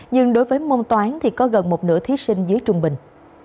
nhưng đối với môn toán thì có gần một nửa thí sinh dưới trung bình